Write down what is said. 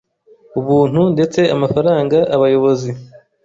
Ubuntu ndetse amafaranga abayobozi